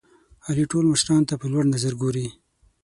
علي ټول مشرانو ته په لوړ نظر ګوري.